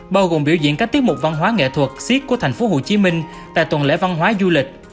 bao gồm biểu diễn các tiết mục văn hóa nghệ thuật siết của thành phố hồ chí minh tại tuần lễ văn hóa du lịch